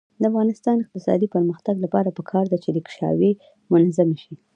د افغانستان د اقتصادي پرمختګ لپاره پکار ده چې ریکشاوې منظمې شي.